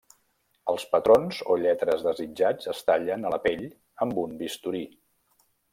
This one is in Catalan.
Els patrons o lletres desitjats es tallen a la pell amb un bisturí.